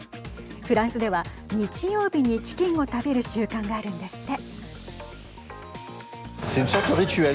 フランスでは日曜日にチキンを食べる習慣があるんですって。